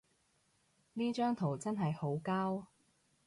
呢張圖真係好膠